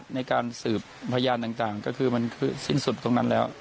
ในการสืบพยานต่างก็คือมันคือสิ้นสุดตรงนั้นแล้ว